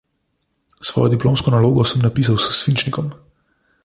Svojo diplomsko nalogo sem napisal s svinčnikom.